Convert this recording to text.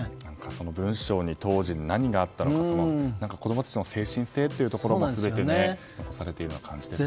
その文章に当時何があったのかその子供たちの精神性っていうのも全て残されているような感じですね。